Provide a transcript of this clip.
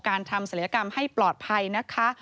ทำศัลยกรรมให้ปลอดภัยนะคะ